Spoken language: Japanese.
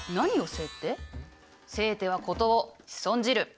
せいては事を仕損じる。